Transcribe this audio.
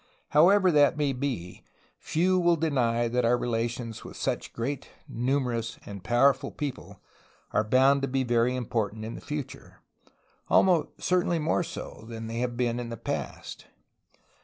However that may be, few will deny that our relations with such great, numerous, and powerful peoples are bound to be very important in the future, — almost certainly more so than they have been in the past.